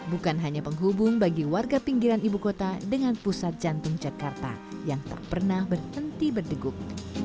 bukan hanya penghubung bagi warga pinggiran ibu kota dengan pusat jantung jakarta yang tak pernah berhenti berdegup